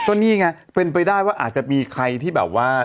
ก็นี่ไงเป็นไปได้ว่าอาจจะมีใครที่แบบว่า